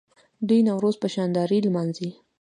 دوی نوروز په شاندارۍ لمانځي.